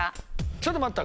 ちょっと待った。